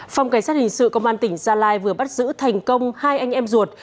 phòng cảnh sát hình sự công an tỉnh gia lai vừa bắt giữ thành công hai anh em ruột